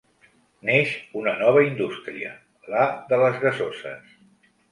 Neix una nova indústria: la de les gasoses.